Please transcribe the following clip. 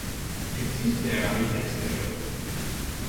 Existe a Galicia exterior?